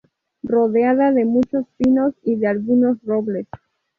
Rodeada de muchos pinos y de algunos robles.